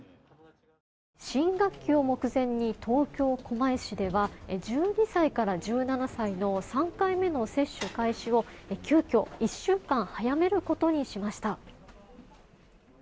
新学期を目前に東京・狛江市では１２歳から１７歳の３回目の接種開始を急きょ、１週間早めることにしました。